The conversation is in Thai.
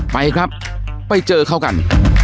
ไปครับไปเจอเขากัน